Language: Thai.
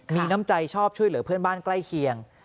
มีน้ำใจชอบช่วยเหลือเพื่อนบ้านใกล้เคียง